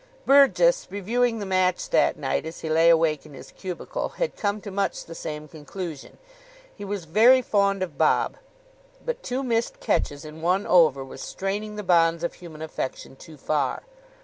Burgess, reviewing the match that night, as he lay awake in his cubicle, had come to much the same conclusion. He was very fond of Bob, but two missed catches in one over was straining the bonds of human affection too far.